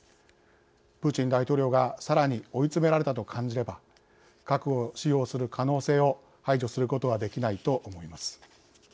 プーチン大統領がさらに追い詰められたと感じれば核を使用する可能性を排除することはできないと思います。